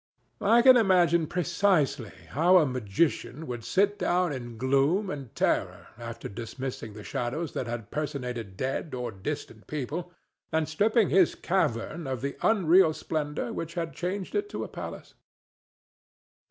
I can imagine precisely how a magician would sit down in gloom and terror after dismissing the shadows that had personated dead or distant people and stripping his cavern of the unreal splendor which had changed it to a palace.